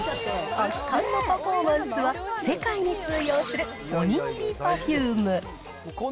圧巻のパフォーマンスは世界に通用するおにぎりパフューム。